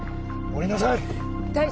降りなさい！